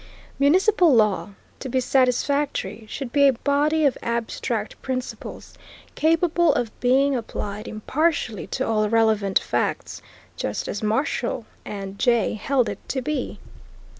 Municipal law, to be satisfactory, should be a body of abstract principles capable of being applied impartially to all relevant facts, just as Marshall and Jay held it to be.